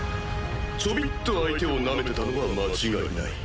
ちょびっと相手をなめてたのは間違いない。